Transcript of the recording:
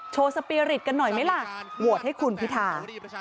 สปีริตกันหน่อยไหมล่ะโหวตให้คุณพิธา